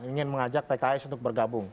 ingin mengajak pks untuk bergabung